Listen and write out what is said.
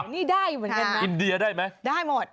นี่ได้อยู่เหมือนกันนะอินเดียได้ไหมได้หมด